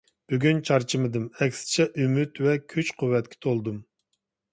بۈگۈن چارچىمىدىم. ئەكسىچە ئۈمىد ۋە كۈچ-قۇۋۋەتكە تولدۇم.